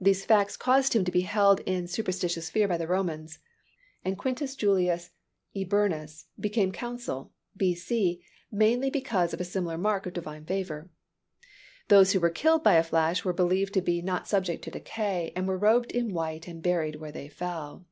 These facts caused him to be held in superstitious fear by the Romans. And Quintus Julius Eburnus became consul, B. C., mainly because of a similar mark of divine favor. Those who were killed by a flash were believed to be not subject to decay, and were robed in white and buried where they fell.